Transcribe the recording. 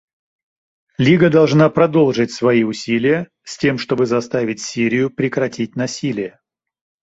Лига должна продолжить свои усилия, с тем чтобы заставить Сирию прекратить насилие.